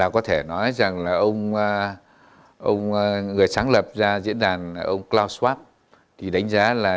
có thể nói rằng người sáng lập diễn đàn ông klaus schwab đánh giá là